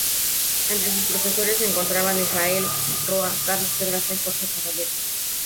Entre sus profesores se encontraban Israel Roa, Carlos Pedraza y Jorge Caballero.